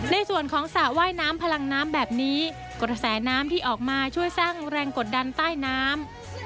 ในส่วนของสระว่ายน้ำพลังน้ำแบบนี้กระแสน้ำที่ออกมาช่วยสร้างแรงกดดันใต้น้ำ